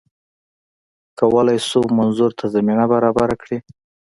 کولای شو منظور ته زمینه برابره کړي